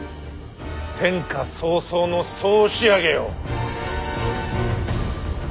天下草創の総仕上げよ。